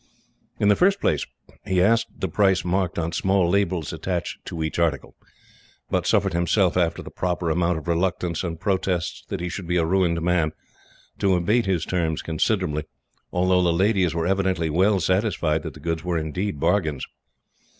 In the first place, he asked the prices marked on small labels attached to each article, but suffered himself, after the proper amount of reluctance, and protests that he should be a ruined man, to abate his terms considerably, although the ladies were evidently well satisfied that the goods were indeed bargains.